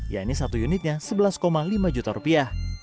yaitu satu unitnya sebelas lima juta rupiah